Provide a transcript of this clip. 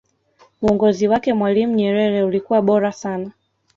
uongozi wake mwalimu nyerere ulikuwa bora sana